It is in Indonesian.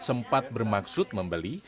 sempat bermaksud membeli